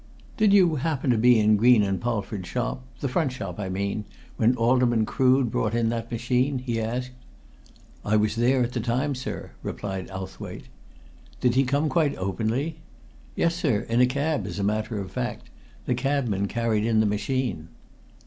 "Did you happen to be in Green & Polford's shop the front shop, I mean when Alderman Crood brought in that machine?" he asked. "I was there at the time, sir," replied Owthwaite. "Did he come quite openly?" "Yes, sir. In a cab, as a matter of fact. The cabman carried in the machine."